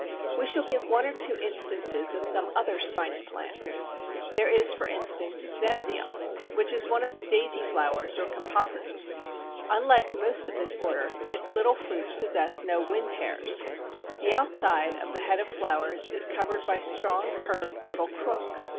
We shall give one or two instances of some other spiny plants. There is, for instance, Xanthium, which is one of the Daisy flowers or Composites. Unlike most of this order, its little fruits possess no wind hairs. The outside of the head of flowers is covered by strong curved little crooks.